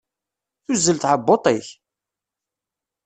Tuzzel tɛebbuḍt-ik?